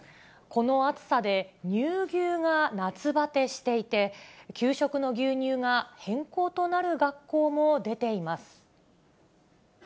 この暑さで、乳牛が夏ばてしていて、給食の牛乳が変更となる学校も出ています。